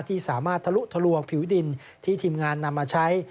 ที่สามารถทะลุทะลวงผิวดินที่ทีมงานนำมาใช้